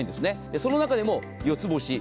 その中でも四つ星。